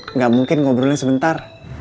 enggak mungkin ngobrolnya sebentar